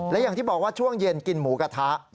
และอย่างที่บอกว่าช่วงเย็นกินหมูกระทะ